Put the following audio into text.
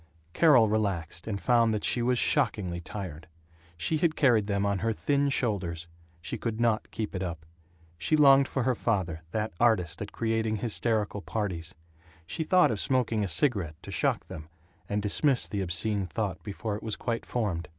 Carol relaxed, and found that she was shockingly tired. She had carried them on her thin shoulders. She could not keep it up. She longed for her father, that artist at creating hysterical parties. She thought of smoking a cigarette, to shock them, and dismissed the obscene thought before it was quite formed.